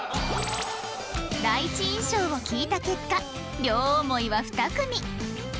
第一印象を聞いた結果両思いは２組